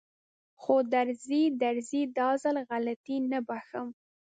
خو درځي درځي دا ځل غلطي نه بښم.